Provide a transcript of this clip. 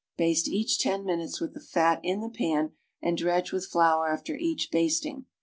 Haste each ten minutes with the fat in the pan, and dr'eiige with flour after each basting.